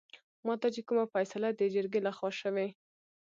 ماته چې کومه فيصله دجرګې لخوا شوې